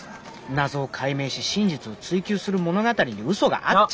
謎を解明し真実を追求する物語にうそがあっちゃ。